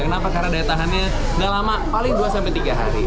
kenapa karena daya tahannya gak lama paling dua sampai tiga hari